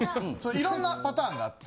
いろんなパターンがあって。